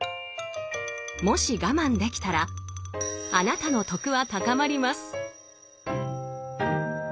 もし我慢できたらあなたの「徳」は高まります！